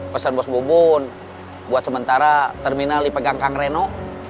pesan bos bubun buat sementara terminal dipegang kang reno